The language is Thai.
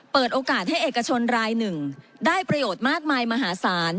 เปิดโอกาสให้เอกชนรายหนึ่งได้ประโยชน์มากมายมหาศาล